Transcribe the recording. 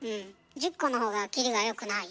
１０個のほうがきりがよくない？